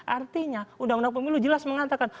artinya undang undang pemilu jelas mengatakan